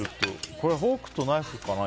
これはフォークとナイフかな？